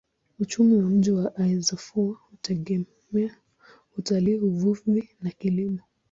Uchumi wa mji wa Azeffou hutegemea utalii, uvuvi na kilimo.